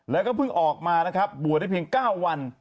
แล้วก็เพิ่งออกมานะครับบวชได้เพียง๙วัน